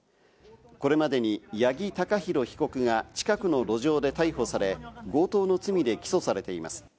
これまでに八木貴寛被告が近くの路上で逮捕され、強盗の罪で起訴されています。